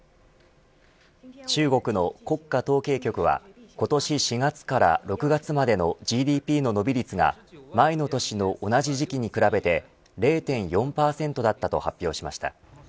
中国の国家統計局は今年４月から６月までのＧＤＰの伸び率が前の年の同じ時期に比べて０．４％だったと発表しました。